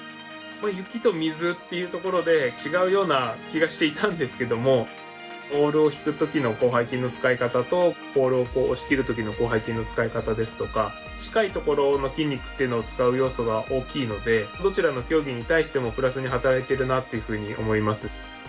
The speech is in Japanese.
雪と水っていうところで違うような気がしていたんですけどもオールを引く時の広背筋の使い方とオールを押し切る時の広背筋の使い方ですとか近いところの筋肉っていうのを使う要素が大きいのでどちらの競技に対してもプラスに働いているなというふうに思います。